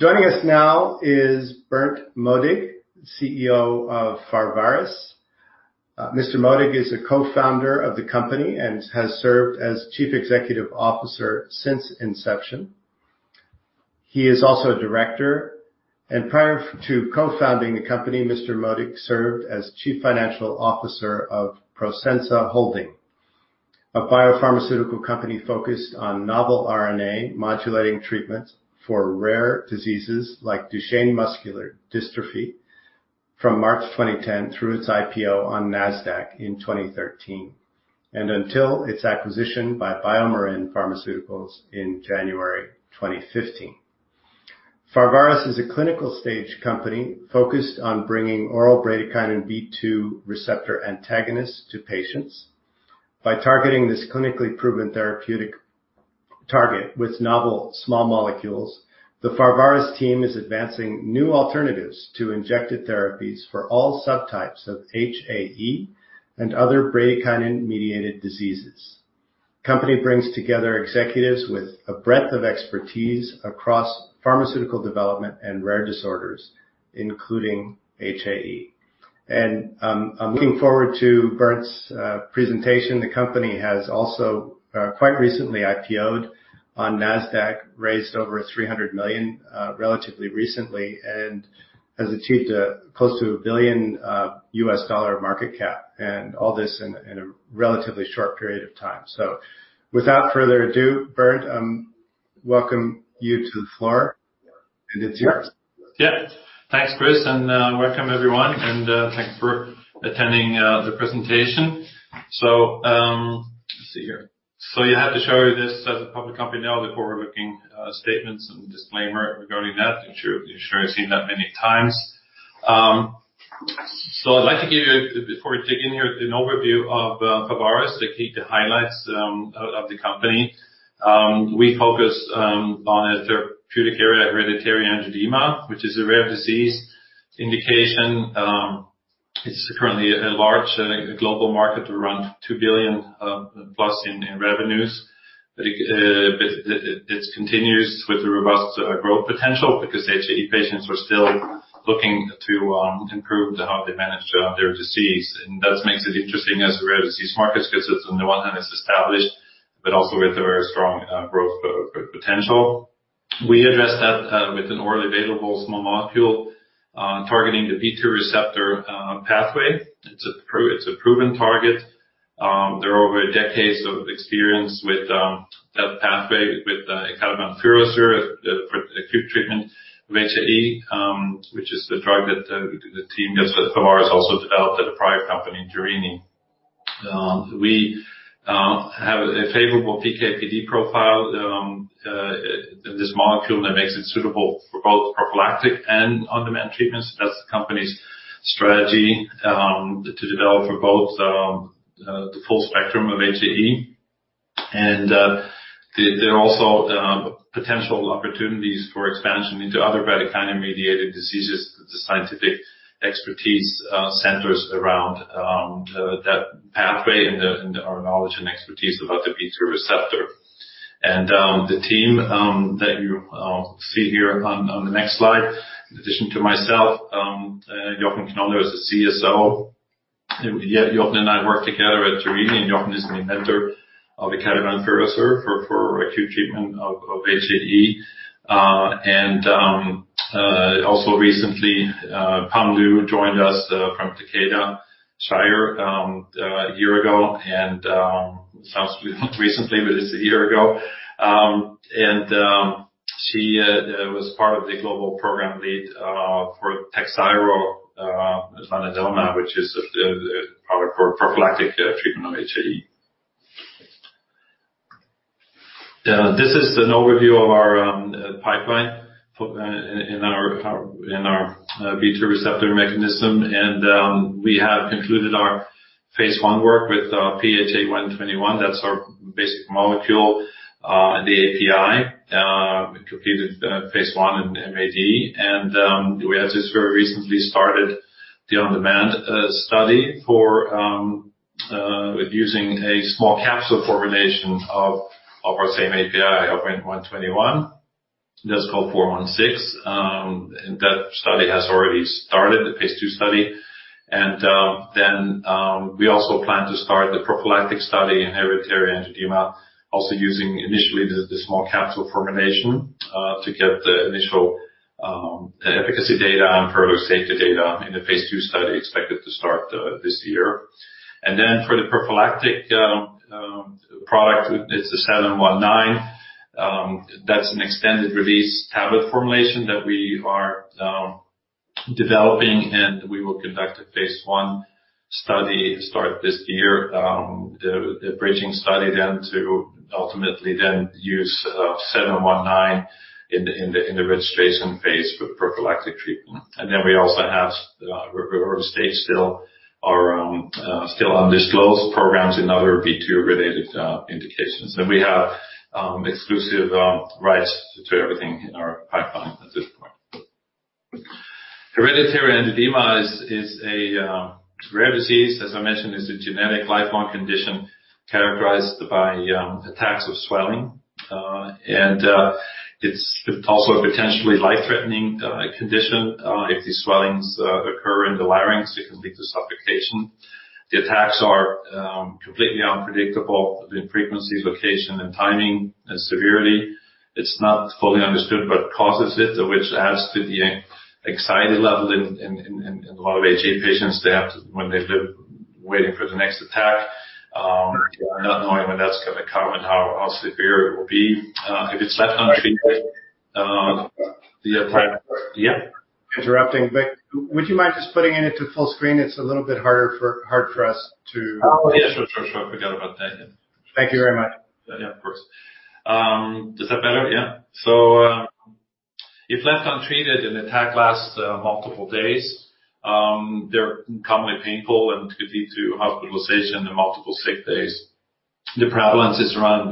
Joining us now is Berndt Modig, CEO of Pharvaris. Mr. Modig is a co-founder of the company and has served as chief executive officer since inception. He is also a director, and prior to co-founding the company, Mr. Modig served as chief financial officer of Prosensa Holding, a biopharmaceutical company focused on novel RNA modulating treatments for rare diseases like Duchenne muscular dystrophy from March 2010 through its IPO on Nasdaq in 2013, and until its acquisition by BioMarin Pharmaceutical in January 2015. Pharvaris is a clinical stage company focused on bringing oral bradykinin B2 receptor antagonists to patients. By targeting this clinically proven therapeutic target with novel small molecules, the Pharvaris team is advancing new alternatives to injected therapies for all subtypes of HAE and other bradykinin-mediated diseases. Company brings together executives with a breadth of expertise across pharmaceutical development and rare disorders, including HAE. I'm looking forward to Berndt's presentation. The company has also quite recently IPO'd on Nasdaq, raised over $300 million relatively recently, and has achieved close to a $1 billion market cap, and all this in a relatively short period of time. Without further ado, Berndt, welcome you to the floor, and it's yours. Yeah. Thanks, Chris, and welcome everyone, and thanks for attending the presentation. Let's see here. You have to show this as a public company now, the forward-looking statements and disclaimer regarding that. I'm sure you've seen that many times. I'd like to give you, before we dig in here, an overview of Pharvaris, the key highlights of the company. We focus on a therapeutic area, hereditary angioedema, which is a rare disease indication. It's currently a large global market with around 2 billion+ in revenues. It continues with a robust growth potential because HAE patients are still looking to improve how they manage their disease. That makes it interesting as a rare disease market because it's on the one hand it's established, but also with a very strong growth potential. We address that with an orally available small molecule targeting the B2 receptor pathway. It's a proven target. There are over decades of experience with that pathway with ecallantide for acute treatment of HAE, which is the drug that the team gives at Pharvaris, also developed at a prior company, Dyax Corp. We have a favorable PK/PD profile. This molecule that makes it suitable for both prophylactic and on-demand treatments. That's the company's strategy, to develop for both the full spectrum of HAE and there are also potential opportunities for expansion into other bradykinin-mediated diseases. The scientific expertise centers around that pathway and our knowledge and expertise about the B2 receptor. The team that you see here on the next slide, in addition to myself, Jochen Knolle is the CCO. Jochen and I worked together at Dyax Corp, and Jochen is the inventor of ecallantide for acute treatment of HAE. Also recently, Peng Lu joined us from Takeda, Shire, a year ago, and it sounds recently, but it's a year ago. She was part of the global program lead for TAKHZYRO, lanadelumab, which is a product for prophylactic treatment of HAE. This is an overview of our pipeline in our B2 receptor mechanism, and we have concluded our phase I work with PHA121. That's our basic molecule, the API. We completed phase I in MAD, and we have just very recently started the on-demand study for using a small capsule formulation of our same API, PHA121. That's called PHVS416. That study has already started, the phase II study. We also plan to start the prophylactic study in hereditary angioedema, also using initially the small capsule formulation, to get the initial efficacy data and further safety data in a phase II study expected to start this year. For the prophylactic product, it's the 719. That's an extended release tablet formulation that we are developing, and we will conduct a phase I study start this year. The bridging study then to ultimately then use 719 in the registration phase for prophylactic treatment. We also have, are still undisclosed programs in other B2-related indications. We have exclusive rights to everything in our pipeline at this point. Hereditary angioedema is a rare disease, as I mentioned, it's a genetic lifelong condition characterized by attacks of swelling. It's also a potentially life-threatening condition. If these swellings occur in the larynx, it can lead to suffocation. The attacks are completely unpredictable in frequency, location, and timing, and severity. It's not fully understood what causes it, which adds to the anxiety level in a lot of HAE patients when they live waiting for the next attack, not knowing when that's going to come and how severe it will be. If it's left untreated. Sorry. Yeah. Interrupting, but would you mind just putting it into full screen? It's a little bit hard for us to. Oh, yeah. Sure. I forgot about that. Yeah. Thank you very much. Of course. Is that better? Yeah. If left untreated, an attack lasts multiple days. They're commonly painful and could lead to hospitalization and multiple sick days. The prevalence is around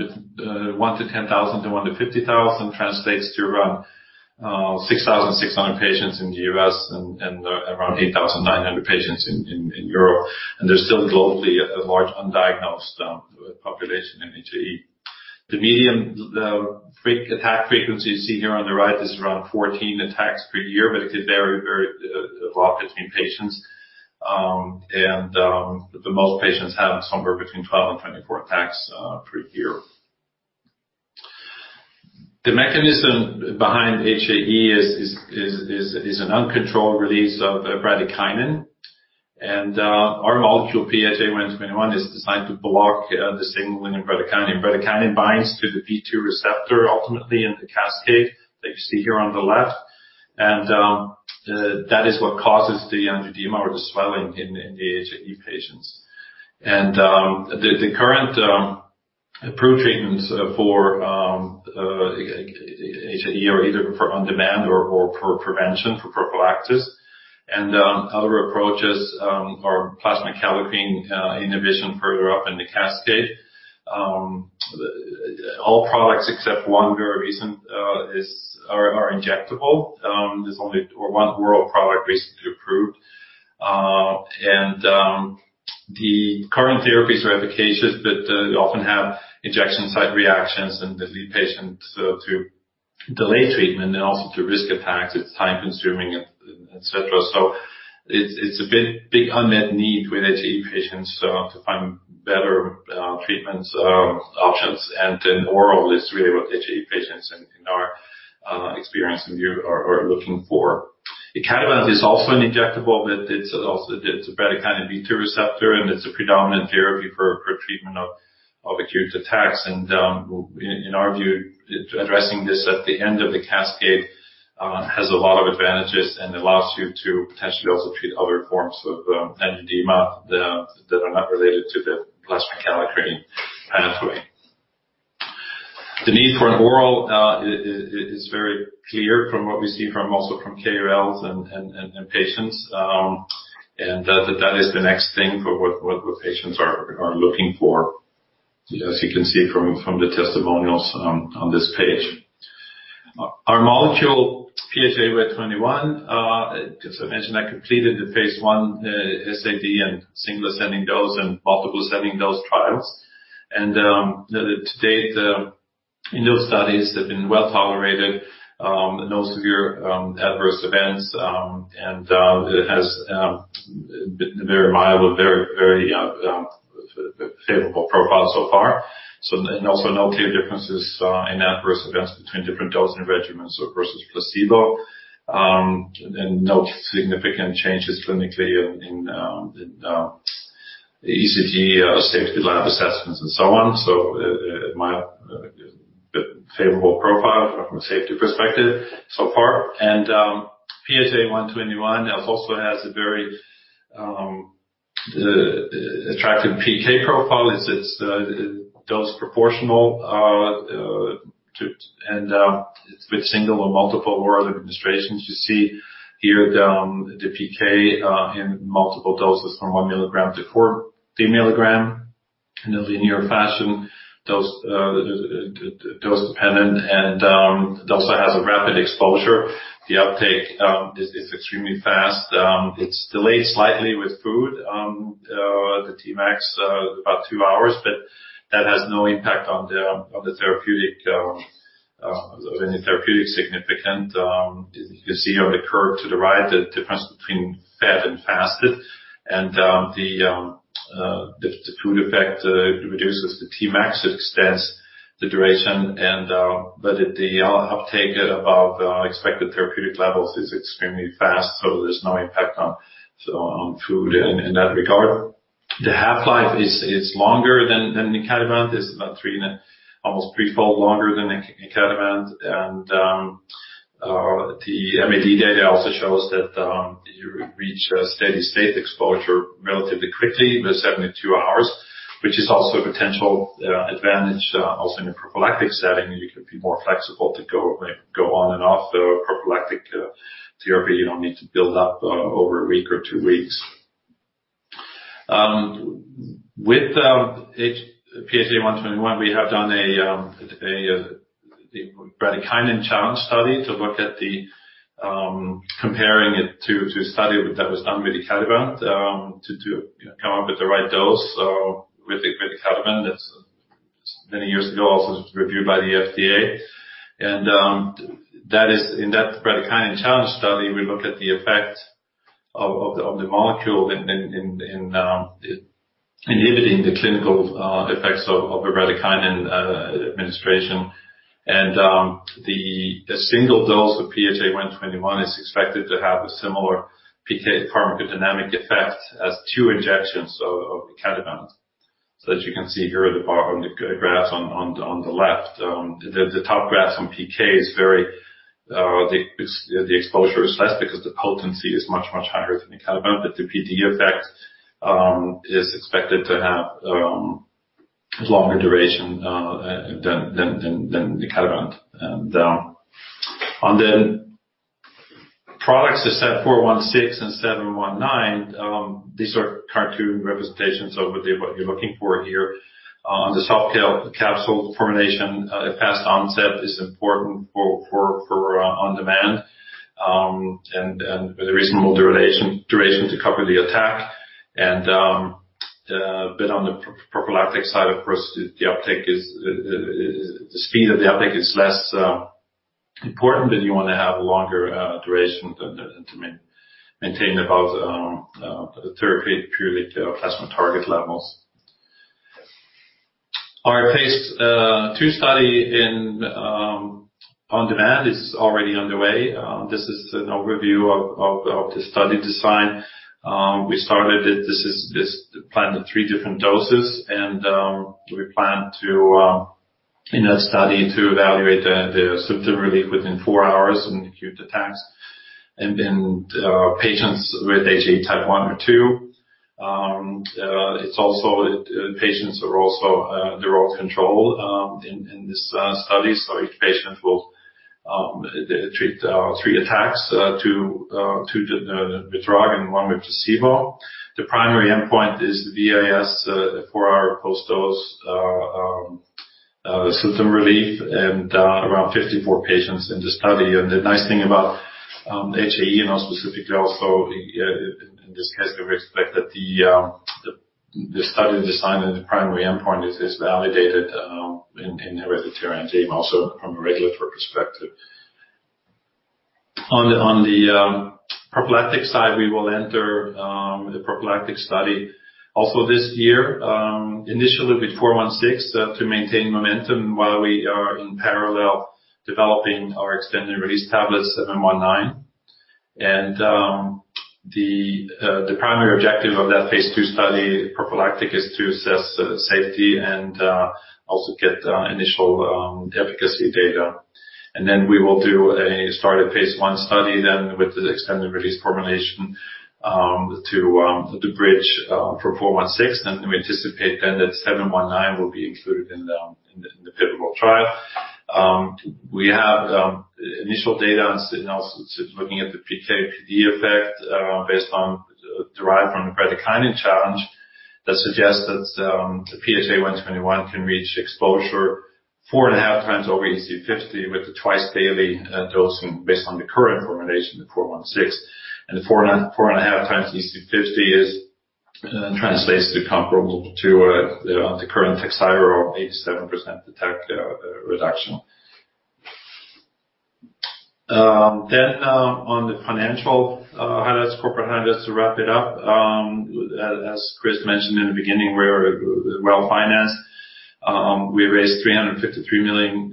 1 to 10,000 to 1 to 50,000, translates to around 6,600 patients in the U.S. and around 8,900 patients in Europe. There's still globally a large undiagnosed population in HAE. The median attack frequency you see here on the right is around 14 attacks per year, but it could vary a lot between patients. Most patients have somewhere between 12 and 24 attacks per year. The mechanism behind HAE is an uncontrolled release of bradykinin, and our molecule deucrictibant is designed to block the signaling in bradykinin. Bradykinin binds to the B2 receptor ultimately in the cascade that you see here on the left. That is what causes the angioedema or the swelling in the HAE patients. The current approved treatments for HAE are either on demand or for prevention, for prophylaxis. Other approaches are plasma kallikrein inhibition further up in the cascade. All products except one very recent are injectable. There's only one oral product recently approved. The current therapies are efficacious, but they often have injection site reactions and they lead patients to delay treatment and also to risk attacks. It's time-consuming, et cetera. It's a big unmet need with HAE patients to find better treatment options, and an oral is really what HAE patients in our experience are looking for. icatibant is also an injectable, but it's a bradykinin B2 receptor, and it's a predominant therapy for treatment of acute attacks. In our view, addressing this at the end of the cascade has a lot of advantages and allows you to potentially also treat other forms of angioedema that are not related to the plasma kallikrein pathway. The need for an oral is very clear from what we see from also from KOLs and patients, and that is the next thing for what the patients are looking for, as you can see from the testimonials on this page. Our molecule, deucrictibant, as I mentioned, that completed the phase I SAD in single ascending dose and multiple ascending dose trials. To date, in those studies, they've been well-tolerated, no severe adverse events, and it has a very mild, very favorable profile so far. And also no clear differences in adverse events between different dosing regimens versus placebo, and no significant changes clinically in ECG safety lab assessments and so on. A mild, favorable profile from a safety perspective so far. Deucrictibant also has a very attractive PK profile. It's dose proportional, and with single or multiple oral administrations. You see here the PK in multiple doses from one milligram to 40 milligram in a linear fashion, dose dependent, and it also has a rapid exposure. The uptake is extremely fast. It's delayed slightly with food. The Tmax about two hours, but that has no impact on the therapeutic significant. You see on the curve to the right, the difference between fed and fasted, and the food effect reduces the Tmax. It extends the duration, but the uptake above expected therapeutic levels is extremely fast. There's no impact on food in that regard. The half-life is longer than icatibant. It's about almost threefold longer than icatibant. The MAD data also shows that you reach a steady state exposure relatively quickly, within 72 hours, which is also a potential advantage. Also in a prophylactic setting, you can be more flexible to go on and off the prophylactic therapy. You don't need to build up over a week or two weeks. With PHA121, we have done a bradykinin challenge study to look at comparing it to a study that was done with icatibant to come up with the right dose with icatibant that many years ago also was reviewed by the FDA. In that bradykinin challenge study, we look at the effect of the molecule in inhibiting the clinical effects of a bradykinin administration. A single dose of PHA121 is expected to have a similar PK/PD effect as two injections of icatibant. As you can see here at the bottom, the graph on the left. The top graph on PK, the exposure is less because the potency is much, much higher than icatibant but the PD effect is expected to have longer duration than icatibant. On the products PHVS416 and PHVS719, these are cartoon representations of what you're looking for here. On the soft capsule formulation, a fast onset is important for on-demand and with a reasonable duration to cover the attack. A bit on the prophylactic side, of course, the speed of the uptake is less important and you want to have longer duration to maintain above therapeutic plasma target levels. Our phase II study in on-demand is already underway. This is an overview of the study design. We started it. This is planned at three different doses and we plan in that study to evaluate the symptom relief within four hours in acute attacks in patients with HAE type 1 or 2. Patients are also controlled in this study, so each patient will treat three attacks, two with drug and one with placebo. The primary endpoint is the VAS 4-Hour Post-Dose Symptom Relief and around 54 patients in the study. The nice thing about HAE, specifically also in this case, we expect that the study design and the primary endpoint is validated in hereditary angioedema also from a regulatory perspective. On the prophylactic side, we will enter the prophylactic study also this year. Initially with PHVS416 to maintain momentum while we are in parallel developing our extended-release tablets, PHVS719. The primary objective of that phase II study prophylactic is to assess safety and also get initial efficacy data. We will do a start of phase I study then with the extended-release formulation to the bridge for PHVS416, and we anticipate then that PHVS719 will be included in the pivotal trial. We have initial data looking at the PK/PD effect derived from the bradykinin challenge that suggests that deucrictibant can reach exposure 4.5 times EC50 with the twice-daily dosing based on the current formulation, the PHVS416. The 4.5 times EC50 translates to comparable to the current TAKHZYRO 87% attack reduction. On the financial highlights, corporate highlights to wrap it up. As Chris mentioned in the beginning, we are well-financed. We raised 353 million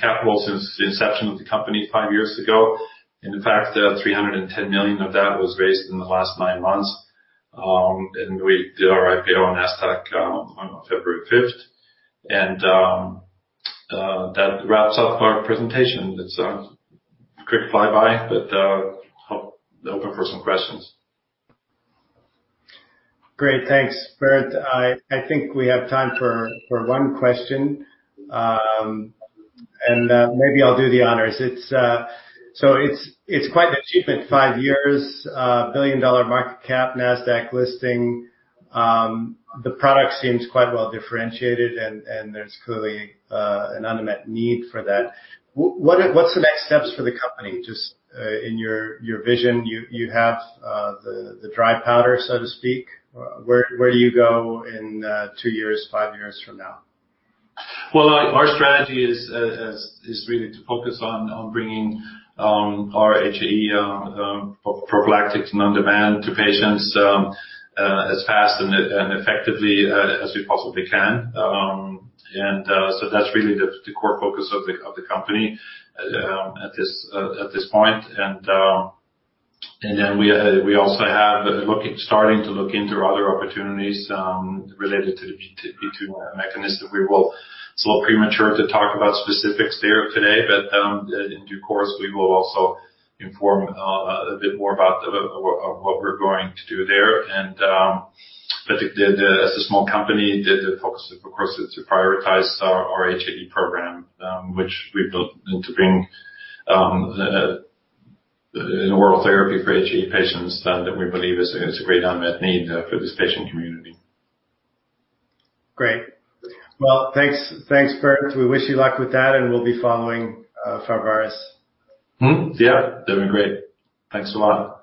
capital since the inception of the company five years ago. In fact, 310 million of that was raised in the last nine months. We did our IPO on Nasdaq on February 5th. That wraps up our presentation. It's a quick flyby but open for some questions. Great. Thanks, Berndt. I think we have time for one question. Maybe I'll do the honors. It's quite an achievement, five years, a billion-dollar market cap, Nasdaq listing. The product seems quite well-differentiated and there's clearly an unmet need for that. What's the next steps for the company, just in your vision, you have the dry powder, so to speak. Where do you go in two years, five years from now? Our strategy is really to focus on bringing our HAE prophylactic and on-demand to patients as fast and effectively as we possibly can. That's really the core focus of the company at this point. We also have starting to look into other opportunities related to the B2 mechanism. It's a little premature to talk about specifics there today but in due course, we will also inform a bit more about what we're going to do there. As a small company, the focus, of course, is to prioritize our HAE program which we built to bring an oral therapy for HAE patients that we believe is a great unmet need for this patient community. Great. Well, thanks, Berndt. We wish you luck with that and we'll be following Pharvaris. Yeah. Doing great. Thanks a lot